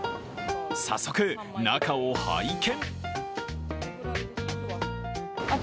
早速、中を拝見。